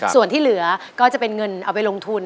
ส่วนที่เหลือก็จะเป็นเงินเอาไปลงทุน